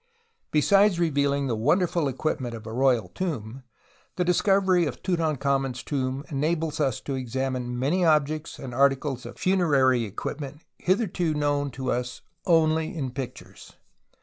Besides revealing the wonderful equipment of a royal tomb the discovery of Tutankhamen's tomb enables us to examine many objects and articles of funerary equipment hitherto known to us only in pictures.